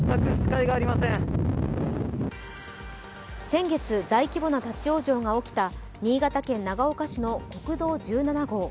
先月、大規模な立往生が起きた新潟県長岡市の国道１７号。